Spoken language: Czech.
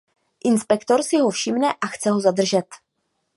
Inspektor si ho všimne a chce ho zadržet.